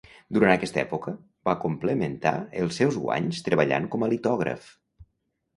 Durant aquesta època, va complementar els seus guanys treballant com a litògraf.